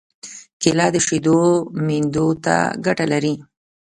کېله د شېدو میندو ته ګټه لري.